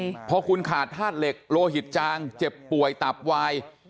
อืมพอคุณขาดธาตุเหล็กโลหิตจางเจ็บป่วยตับวาย